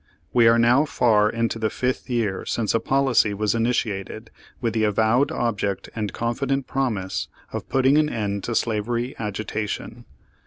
We are now far into the fifth year since a policy was initiated with the avowed object and confident promise of putting an end to slavery agitation.